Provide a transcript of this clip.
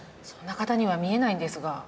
そんな方には見えないんですが。